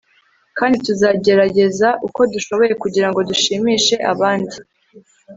kandi tuzagerageza uko dushoboye kugirango dushimishe abandi